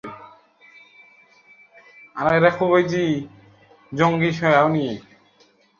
গিয়ে দেখি, আমার আগে আবু বকর তার নিকট পৌঁছে গেছেন।